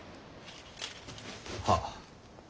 はっ。